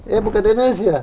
ya bukan di indonesia